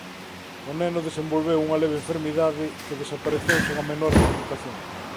O neno desenvolveu unha leve enfermidade que desapareceu sen a menor complicación.